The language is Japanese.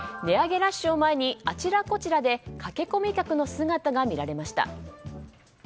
値上げラッシュを前にあちらこちらで駆け込み客の姿が見られました。